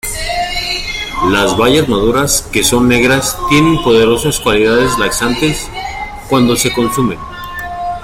Las bayas maduras, que son negras tienen poderosas cualidades laxantes cuando se consumen.